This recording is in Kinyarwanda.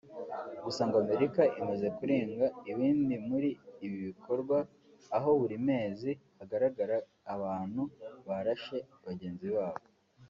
Gusa ngo Amerika imaze kurenga ibindi muri ibi bikorwa aho buri mezi hagaragara abantu barashe bagenzi babo